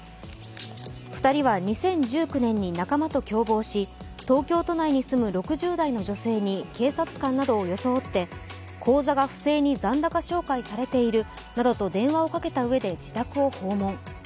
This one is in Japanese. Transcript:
２人は２０１９年に仲間と共謀し、東京都内に住む６０代の女性に警察官などを装って口座が不正に残高照会されているなどと電話をかけたうえで自宅を訪問。